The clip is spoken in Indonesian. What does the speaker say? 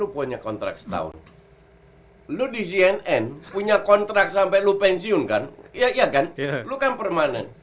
punya kontrak setahun lu di cnn punya kontrak sampai lu pensiun kan iya kan lu kan permanen